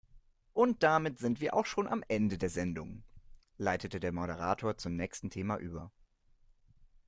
Und damit sind wir auch schon am Ende der Sendung, leitete der Moderator zum nächsten Thema über.